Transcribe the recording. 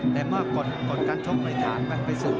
แต่เมื่อก่อนกันชบไว้ฐานมันไปสุด